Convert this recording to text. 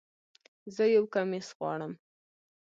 زه یو کمیس غواړم